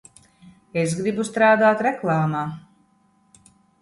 Es gribu strādāt reklāmā.